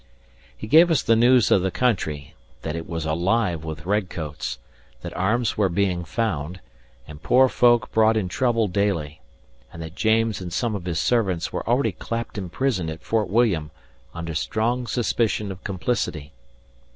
He gave us the news of the country; that it was alive with red coats; that arms were being found, and poor folk brought in trouble daily; and that James and some of his servants were already clapped in prison at Fort William, under strong suspicion of complicity.